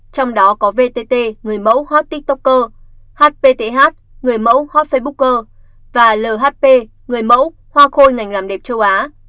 trong đó có vtt người mẫu hot tiktoker hpt người mẫu hot facebooker và lhp người mẫu hoa khôi ngành làm đẹp châu á